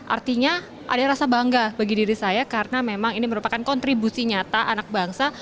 artinya ada rasa bangga bagi diri saya karena memang ini merupakan kontribusi nyata anak bangsa